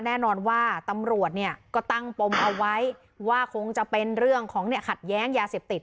แน่นอนว่าตำรวจเนี่ยก็ตั้งปมเอาไว้ว่าคงจะเป็นเรื่องของขัดแย้งยาเสพติด